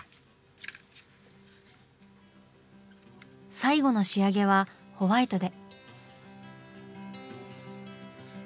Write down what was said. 最後の仕上げはホワイトで。